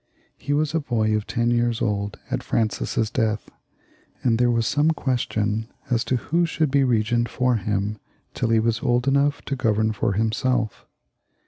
He was a boy of ten years old at Francis's death, and there was some question as to who should be regent for him till he was old enough to govern for himself.